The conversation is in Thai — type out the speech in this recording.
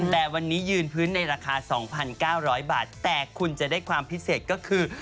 แต่วันนี้ยืนพื้นในราคา๒๙๐๐บาทแต่คุณจะได้ความพิเศษก็คือ